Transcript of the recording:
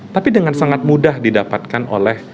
tapi dengan sangat mudah didapatkan oleh